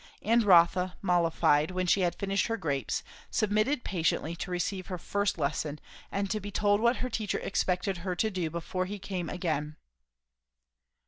And Rotha, mollified, when she had finished her grapes, submitted patiently to receive her first lesson and to be told what her teacher expected her to do before he came again.